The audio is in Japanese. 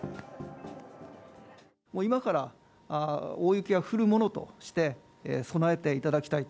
今から大雪が降るものとして、備えていただきたいと。